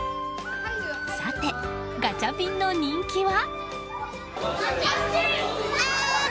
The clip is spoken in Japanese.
さて、ガチャピンの人気は？